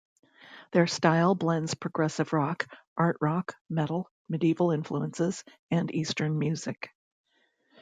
Their style blends progressive rock, art rock, metal, medieval influences, and eastern music.